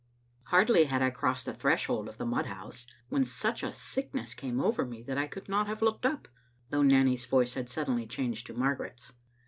Hardly had I crossed the threshold of the mudhouse when such a sickness came over me that I could not have looked up, though Nanny's voice had suddenly changed to Margaret's.